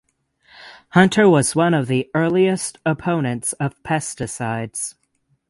Hunter was one of the earliest opponents of pesticides.